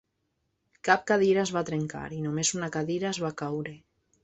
Cap cadira es va trencar, i només una cadira es va caure.